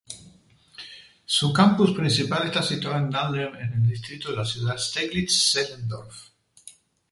Su campus principal está situado en Dahlem en el distrito de la ciudad Steglitz-Zehlendorf.